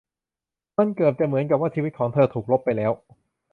มันเกือบจะเหมือนกับว่าชีวิตของเธอถูกลบไปแล้ว